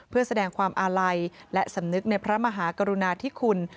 เพื่อแสดงความอาลัยและสำนึกในพระมหากรุณาธิคุณ